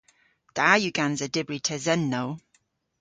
Da yw gansa dybri tesennow.